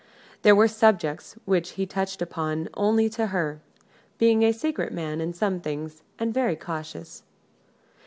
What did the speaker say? There were subjects which he touched upon only to her being a secret man in some things, and very cautious.